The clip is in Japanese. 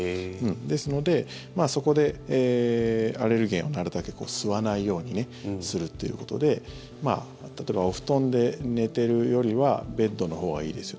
ですので、そこでアレルゲンをなるだけ吸わないようにするということで例えばお布団で寝ているよりはベッドのほうがいいですよ